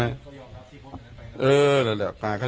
ก่อนให้เขายอมรับที่โพสต์แบบนี้ไปนะครับ